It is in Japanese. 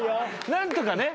何とかね。